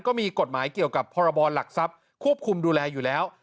ก็มีกฎหมายเกี่ยวกับพรบรหลักทรัพย์ควบคุมดูแลอยู่แล้ว